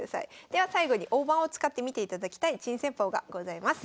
では最後に大盤を使って見ていただきたい珍戦法がございます。